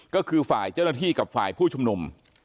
ก็คือฝ่ายเจ้าหน้าที่กับฝ่ายผู้ชุมนุม